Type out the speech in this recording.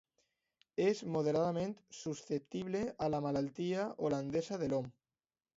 És moderadament susceptible a la Malaltia holandesa de l'om.